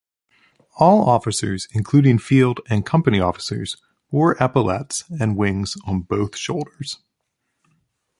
All officers including field and company officers wore epaulettes and wings on both shoulders.